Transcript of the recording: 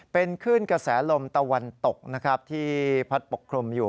เป็นคลื่นกระแสลมตะวันตกนะครับที่พัดปกคลุมอยู่